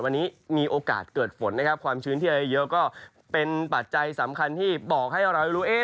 วันนี้มีโอกาสเกิดฝนนะครับความชื้นที่ได้เยอะก็เป็นปัจจัยสำคัญที่บอกให้เราได้รู้